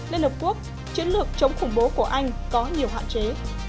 liên hợp quốc chiến lược chống khủng bố của anh có nhiều hạn chế